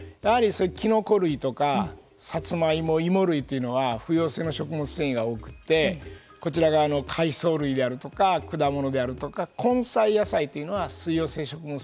キノコ類とかさつまいも芋類というのは不溶性の食物繊維が多くてこちら側の海藻類であるとか果物であるとか根菜野菜は水溶性食物